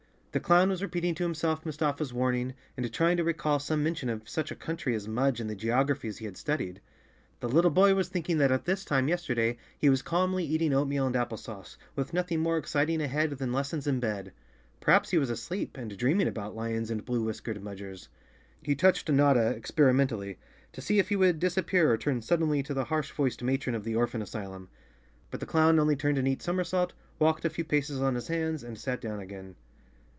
The clown was repeating to himself Mustafa's warning, and try¬ ing to recall some mention of such a country as Mudge in the geographies he had studied. The little boy was thinking that at this time yesterday he was calmly eat¬ ing oatmeal and apple sauce, with nothing more excit The Co weirdly Lion of Oz ing ahead than lessons and bed. Perhaps he was asleep, and dreaming about lions and blue whiskered Mudgers. He touched Notta experimentally, to see if he would disappear or turn suddenly to the harsh voiced matron of the orphan asylum. But the clown only turned a neat somersault, walked a few paces on his hands and sat down again.